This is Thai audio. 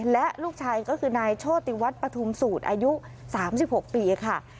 และลูกชายก็คือนายโชติวัฒน์ปฐุมสูตรอายุ๓๖ปีค่ะ